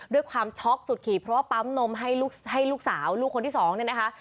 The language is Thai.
ด้วยความช็อกสุดขี่เพราะว่าปั๊มนมให้ลูกสาวลูกคนที่สองเนี่ยนะคะ